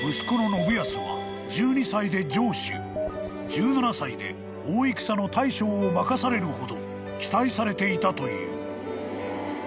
［１７歳で大戦の大将を任されるほど期待されていたという］